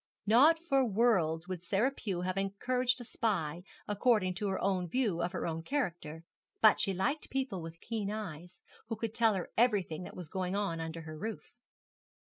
Not for worlds would Sarah Pew have encouraged a spy, according to her own view of her own character; but she liked people with keen eyes, who could tell her everything that was going on under her roof.